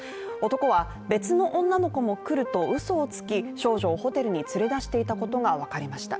男は別の女の子も来るとうそをつき、少女をホテルに連れ出していたことがわかりました。